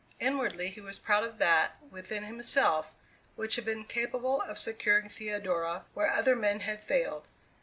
Inwardly he was proud of that, within himself, which had been capable of securing Theodora where other men had failed.